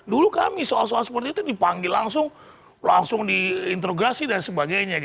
dulu kami soal soal seperti itu dipanggil langsung langsung diinterogasi dan sebagainya